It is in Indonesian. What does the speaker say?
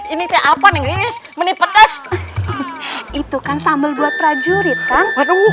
ini teh apa neng lilis menipu pedas itu kan sambal buat prajurit kan